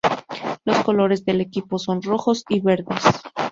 Los colores del equipo son rojos y verdes.